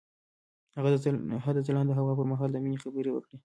هغه د ځلانده هوا پر مهال د مینې خبرې وکړې.